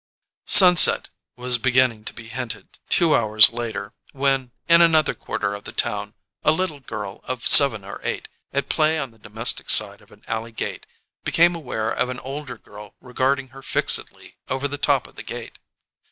Sunset was beginning to be hinted, two hours later, when, in another quarter of the town, a little girl of seven or eight, at play on the domestic side of an alley gate, became aware of an older girl regarding her fixedly over the top of the gate.